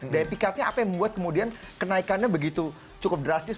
daya pikatnya apa yang membuat kemudian kenaikannya begitu cukup drastis